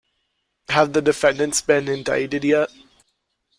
Have the defendants been indicted yet?